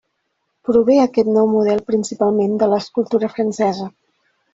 Prové aquest nou model principalment de l'escultura francesa.